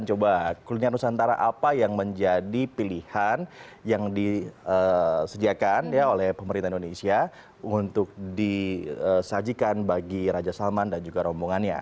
dan coba kuliner nusantara apa yang menjadi pilihan yang disediakan oleh pemerintah indonesia untuk disajikan bagi raja salman dan juga rombongannya